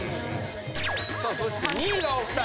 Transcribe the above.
さあそして２位がお２人。